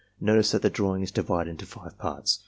Notice that the drawing is divided into five parts.